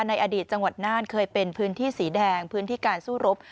ในอดีตจังหวัดน่านเคยเป็นพื้นที่สีแดงพื้นที่การสู้รบ